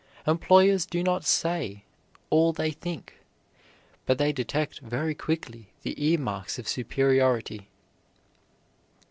Employers do not say all they think, but they detect very quickly the earmarks of superiority.